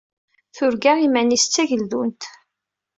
Turga iman-is d tageldunt.